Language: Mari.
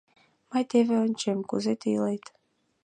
Мый теве ончем, кузе тый илет...